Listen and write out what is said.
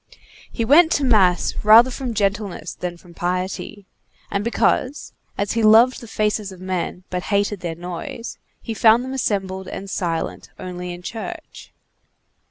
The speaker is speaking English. He went to mass rather from gentleness than from piety, and because, as he loved the faces of men, but hated their noise, he found them assembled and silent only in church.